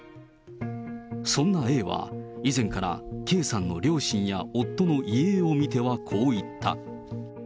そんなＡは、以前からＫさんの両親や夫の遺影を見てはこう言った。